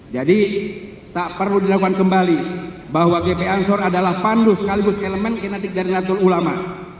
jadi tak perlu dilakukan kembali bahwa gp ansor adalah pandu sekaligus elemen kinetik jaringan tululama